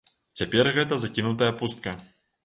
Цяпер гэта закінутая пустка.